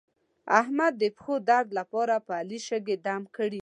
احمد د پښو درد لپاره په علي شګې دم کړې دي.